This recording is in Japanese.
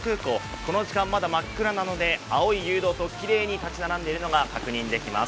この時間まだ真っ暗なので、青い誘導灯きれいに立ち並んでいるのが確認できます。